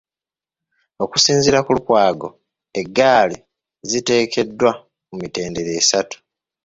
Okusinziira ku Lukwago eggaali zitegekeddwa mu mitendera esatu .